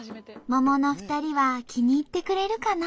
ももの２人は気に入ってくれるかな？